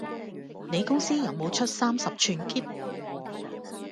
你公司有冇出三十吋喼？